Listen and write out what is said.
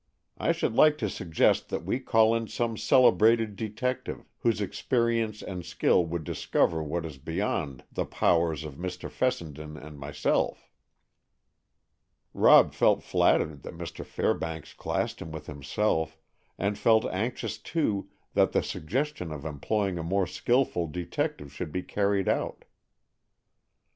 I should like to suggest that we call in some celebrated detective, whose experience and skill would discover what is beyond the powers of Mr. Fessenden and myself." Rob felt flattered that Mr. Fairbanks classed him with himself, and felt anxious too that the suggestion of employing a more skilful detective should be carried out.